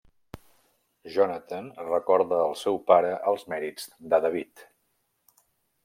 Jonathan recorda al seu pare els mèrits de David.